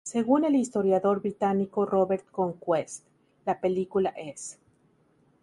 Según El historiador británico Robert Conquest, la película es